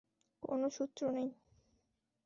কোনো সূত্র নেই।